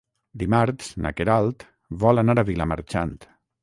Dimarts na Queralt vol anar a Vilamarxant.